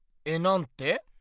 えなんて？